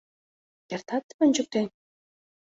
Кертат тый ончыктен?